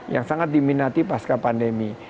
yang sangat diminati pasca pandemi